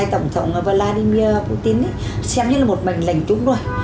tổng thống vladimir putin xem như là một mảnh lành chúng rồi